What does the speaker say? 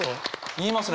言いますね